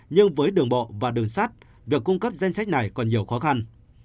nhưng với đường bộ và đường sắt việc cung cấp danh sách này còn nhiều khó khăn